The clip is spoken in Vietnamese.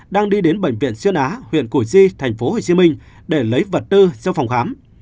đang đi đến bệnh viện xuyên á huyện củ chi tp hcm để lấy vật tư sau phòng khám